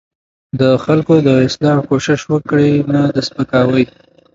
د خلکو د اصلاح کوشش وکړئ نه د سپکاوۍ.